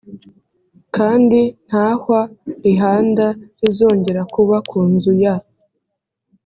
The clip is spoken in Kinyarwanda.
kandi nta hwa rihanda rizongera kuba ku nzu ya